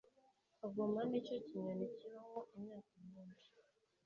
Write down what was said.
Kagoma nicyo kinyoni kibaho imyaka myinshi